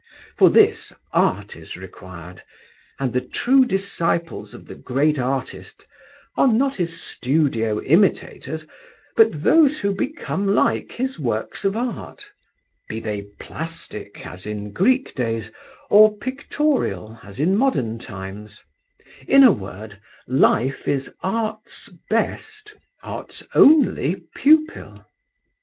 For this, Art is required, and the true disciples of the great artist are not his studio imitators, but those who become like his works of art, be they plastic as in Greek days, or pictorial as in modern times; in a word, Life is Art's best, Art's only pupil.